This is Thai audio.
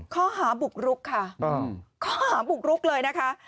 ข้อหาบุกรุกค่ะข้อหาบุกรุกเลยนะคะ